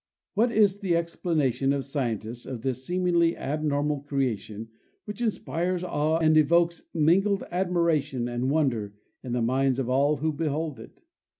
What is the explanation of scientists of this seemingly abnor mal creation, which inspires awe and evokes mingled admiration and wonder in the minds of all who behold it?